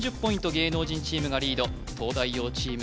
芸能人チームがリード東大王チーム